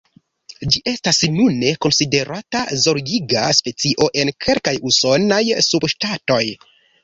Ĝi estas nune konsiderata zorgiga specio en kelkaj usonaj subŝtatoj.